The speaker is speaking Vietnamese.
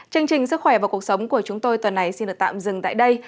chương trình sức khỏe và cuộc sống của chúng tôi tuần này xin được tạm dừng tại đây